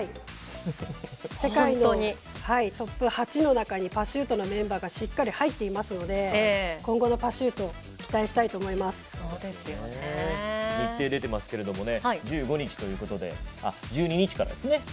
世界のトップ初の中にパシュートのメンバーがしっかり入っていますので今後のパシュート日程出ていますけれど１５日ということで１２日からですね。